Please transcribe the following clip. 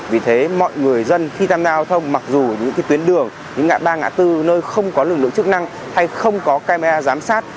vì thế mọi người dân khi tham gia giao thông mặc dù những tuyến đường những ngã ba ngã tư nơi không có lực lượng chức năng hay không có camera giám sát